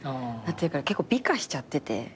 結構美化しちゃってて。